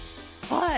はい。